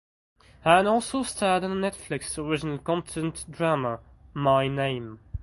Han also starred in the Netflix original content drama "My Name".